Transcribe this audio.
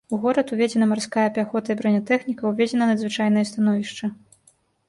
У горад уведзена марская пяхота і бранятэхніка, уведзена надзвычайнае становішча.